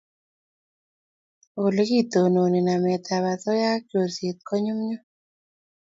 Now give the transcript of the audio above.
Ole kitononi namet ab asoya ak chorset ko nyunyum